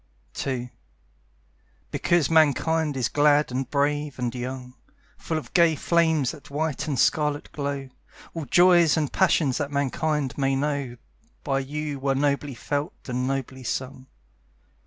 II Because Mankind is glad and brave and young, Full of gay flames that white and scarlet glow, All joys and passions that Mankind may know By you were nobly felt and nobly sung.